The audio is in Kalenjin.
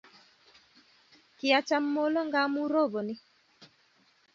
kiacham molo ngamu ropani